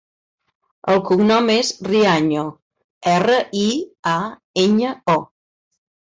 El cognom és Riaño: erra, i, a, enya, o.